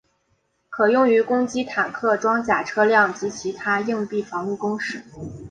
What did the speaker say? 可用于攻击坦克装甲车辆及其它硬壁防御工事。